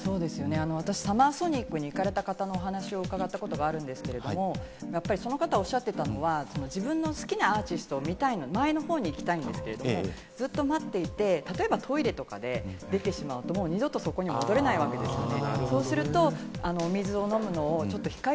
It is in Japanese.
私、ＳＵＭＭＥＲＳＯＮＩＣに行かれた方の話を伺ったことがあるんですけれど、その方がおっしゃっていたのは自分の好きなアーティストを見たい、前の方に行きたいんですけれども、ずっと待っていて、例えばトイレとかで出てしまうと、もう二度とそこには戻れないわけですよね。